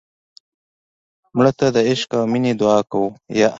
مړه ته د عشق او مینې دعا کوو